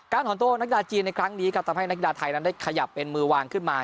ถอนตัวนักกีฬาจีนในครั้งนี้ครับทำให้นักกีฬาไทยนั้นได้ขยับเป็นมือวางขึ้นมา